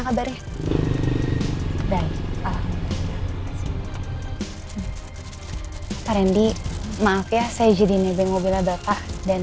kabarnya baik pak randy maaf ya saya jadi nebeng mobilnya bapak dan